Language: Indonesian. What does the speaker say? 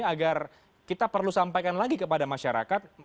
agar kita perlu sampaikan lagi kepada masyarakat